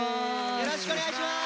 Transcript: よろしくお願いします。